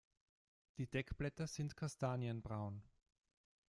Die Deckblätter sind kastanienbraun.